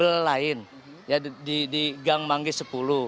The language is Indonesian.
jadwal les dengan bimb lain di gang manggis sepuluh